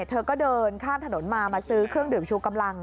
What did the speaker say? เธอก็เดินข้ามถนนมามาซื้อเครื่องดื่มชูกำลัง